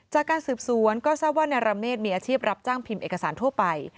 จากการสืบสวนก็ทราบว่านายรเมฆมีอาชีพรับจ้างพิมพ์เอกสารทั่วไป